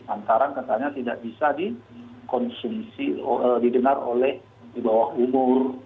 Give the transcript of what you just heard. antara katanya tidak bisa di konsumsi didengar oleh di bawah umur